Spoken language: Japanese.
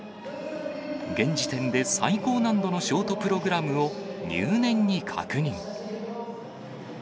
現時点で最高難度のショートプログラムを入念に確認。